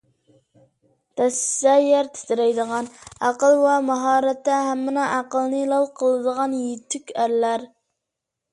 دەسسىسە يەر تىترەيدىغان، ئەقىل ۋە ماھارەتتە ھەممىنىڭ ئەقلىنى لال قىلىدىغان يېتۈك ئەرلەر